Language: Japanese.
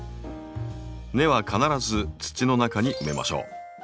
根は必ず土の中に埋めましょう。